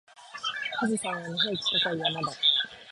富士山は日本一高い山だ。